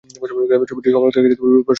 ছবিটি সমালোচকদের কাছে বিপুল প্রশংসিত হয়েছে।